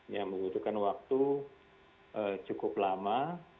yang membutuhkan waktu cukup lama